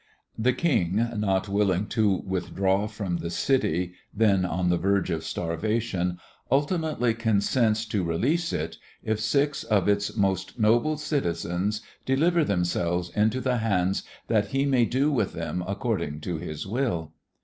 The king, not willing to withdraw from the city, then on the verge of starvation, ultimately consents to release it if six of its most noble citizens deliver themselves into the hands "that he may do with them according to his will."